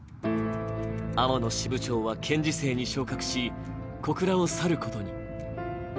天野支部長は検事正に昇格し、小倉を去ることに。